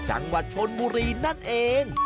จังหวัดชนบุรีนั่นเอง